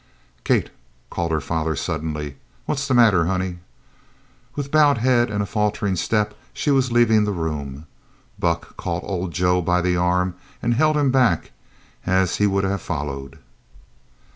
"Kate!" called her father suddenly. "What's the matter, honey?" With bowed head and a faltering step she was leaving the room. Buck caught old Joe by the arm and held him back as he would have followed.